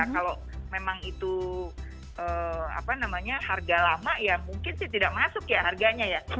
kalau memang itu harga lama mungkin tidak masuk harganya